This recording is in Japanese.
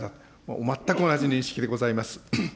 全く同じ認識でございます。